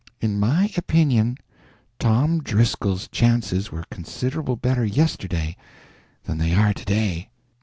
In my opinion Tom Driscoll's chances were considerable better yesterday than they are to day."